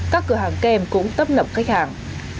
các cửa hàng kem cũng tấp nộp khách hàng